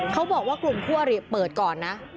เขาบอกว่ากลุ่มคู่อริเปิดก่อนนะ